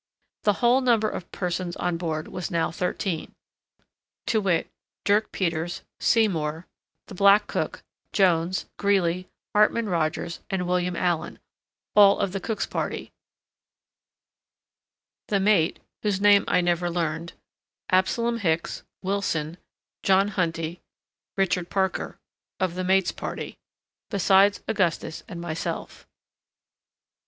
The whole number of persons on board was now thirteen, to wit: Dirk Peters; Seymour, the black cook; Jones, Greely, Hartman Rogers and William Allen, all of the cook's party; the mate, whose name I never learned; Absalom Hicks, Wilson, John Hunty Richard Parker, of the mate's party;—besides Augustus and myself.